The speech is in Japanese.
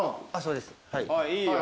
いいよ。